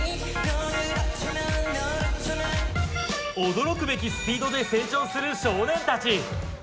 驚くべきスピードで成長する少年たち。